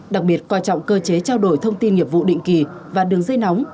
đặc biệt coi trọng cơ chế trao đổi thông tin nghiệp vụ định kỳ và đường dây nóng